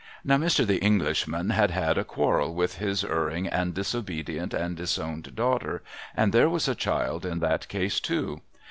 Now Mr. The Englishman had had a quarrel with his erring and disobedient and disowned daughter, and there was a child in that case too.